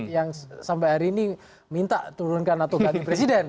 yang sampai hari ini minta turunkan atau ganti presiden